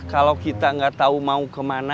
kalau kita gak tau mau kemana